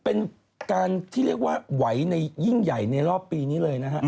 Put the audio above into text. เป็นการที่เรียกว่าไหวในยิ่งใหญ่ในรอบปีนี้เลยนะฮะ